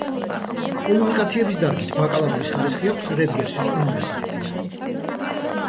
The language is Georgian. კომუნიკაციების დარგით ბაკალავრის ხარისხი აქვს რატგერსის უნივერსიტეტიდან.